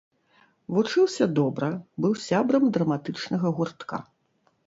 Вучыўся добра, быў сябрам драматычнага гуртка.